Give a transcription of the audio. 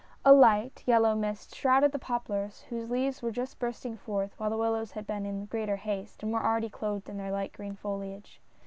A light, yellow mist shrouded the poplars, whose leaves were just bursting forth, while the willows had been in greater haste, and were already clothed in their light green foliage.